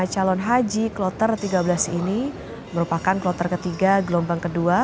empat ratus empat puluh lima calon haji kloter tiga belas ini merupakan kloter ketiga gelombang kedua